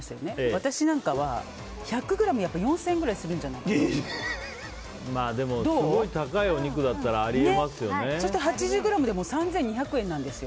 私なんかは１００ｇ４０００円ぐらいでも、すごい高いお肉ならそして８０ｇでも３２００円なんですよ。